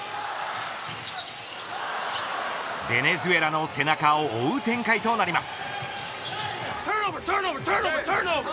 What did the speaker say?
ベネズエラの背中を追う展開となります。